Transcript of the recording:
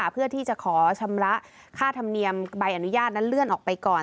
เพื่อที่จะขอชำระค่าธรรมเนียมใบอนุญาตนั้นเลื่อนออกไปก่อน